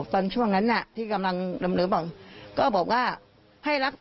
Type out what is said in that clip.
ช่วงนั้นน่ะที่กำลังดำเนินบอกก็บอกว่าให้รัก